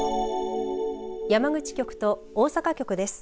山口局と大阪局です。